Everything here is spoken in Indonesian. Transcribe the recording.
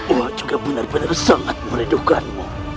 oh juga benar benar sangat merindukanmu